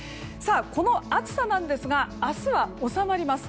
この暑さなんですが明日は収まります。